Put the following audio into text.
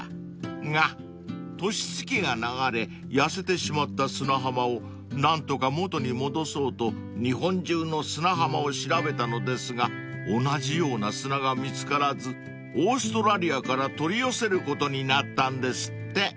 ［が年月が流れ痩せてしまった砂浜を何とか元に戻そうと日本中の砂浜を調べたのですが同じような砂が見つからずオーストラリアから取り寄せることになったんですって］